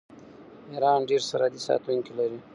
ایران ډیر سرحدي ساتونکي لري.